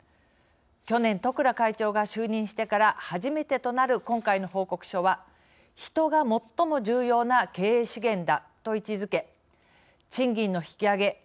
去年、十倉会長が就任してから初めてとなる今回の報告書は「ヒト」が最も重要な経営資源だと位置づけ、賃金の引き上げ。